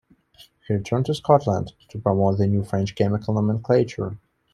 He returned to Scotland to promote the new French chemical nomenclature.